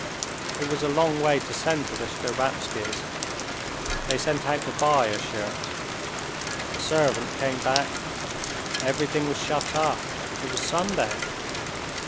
It was a long way to send to the Shtcherbatskys'. They sent out to buy a shirt. The servant came back; everything was shut up—it was Sunday.